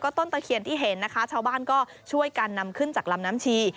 ๙ดอกนะจ๊ะจำไว้นะคะ